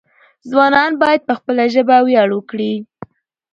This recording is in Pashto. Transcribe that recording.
ځوانان باید په خپله ژبه ویاړ وکړي.